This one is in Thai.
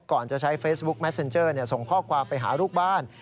ก่อนจะใช้เฟซบุ๊คแมสเซ็นเจอร์ส่งข้อความไปหาลูกบ้าน